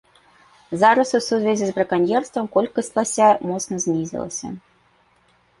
Зараз у сувязі з браканьерствам колькасць лася моцна знізілася.